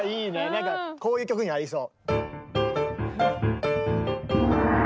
なんかこういう曲に合いそう。